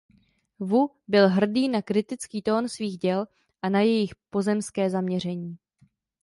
Wu byl hrdý na kritický tón svých děl a na jejich „pozemské“ zaměření.